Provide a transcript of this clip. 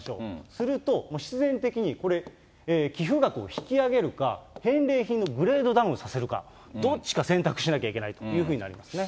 すると、必然的にこれ、寄付額を引き上げるか、返礼品のグレードダウンさせるか、どっちか選択しないといけないというふうになりますね。